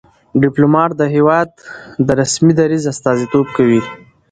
ډيپلومات د هېواد د رسمي دریځ استازیتوب کوي.